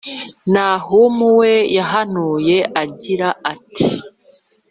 Nahumu we yahanuye agira ati: